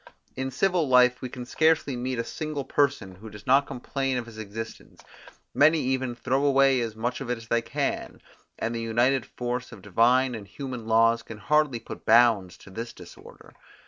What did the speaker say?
In civil life we can scarcely meet a single person who does not complain of his existence; many even throw away as much of it as they can, and the united force of divine and human laws can hardly put bounds to this disorder.